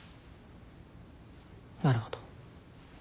なるほど。